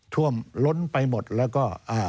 ท่วมล้นไปหมดแล้วก็อ่า